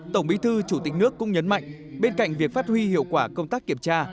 tổng bí thư chủ tịch nước cũng nhấn mạnh bên cạnh việc phát huy hiệu quả công tác kiểm tra